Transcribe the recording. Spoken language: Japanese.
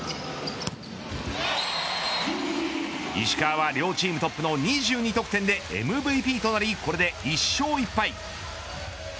石川は両チームトップの２２得点でＭＶＰとなりこれで１勝１敗。